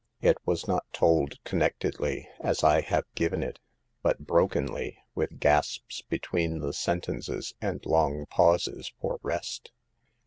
It was not told connectedly, as I have given it. but brokenly, with gasps between the sentences and long pauses for rest.